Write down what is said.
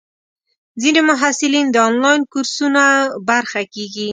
ځینې محصلین د انلاین کورسونو برخه کېږي.